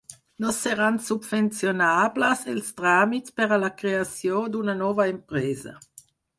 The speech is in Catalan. No seran subvencionables els tràmits per a la creació d'una nova empresa.